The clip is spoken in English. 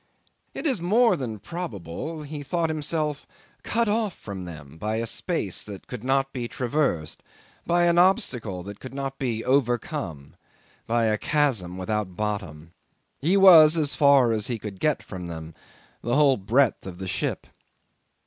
It is more than probable he thought himself cut off from them by a space that could not be traversed, by an obstacle that could not be overcome, by a chasm without bottom. He was as far as he could get from them the whole breadth of the ship.